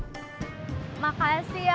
sekarang mau program di rumah